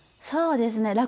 そうですね。